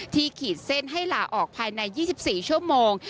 ขีดเส้นให้หลาออกภายใน๒๔ชั่วโมง